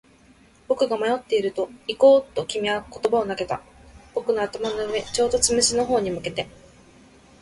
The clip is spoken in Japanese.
僕が迷っていると、行こうと君は言葉を投げた。僕の頭の上、ちょうどつむじの方に向けて。